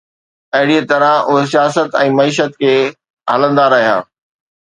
اهڙيءَ طرح اهي سياست ۽ معيشت کي هلندا رهيا.